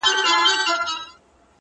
چا ویل دا چي ـ ژوندون آسان دی ـ